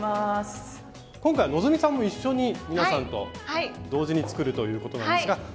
今回希さんも一緒に皆さんと同時に作るということなんですが。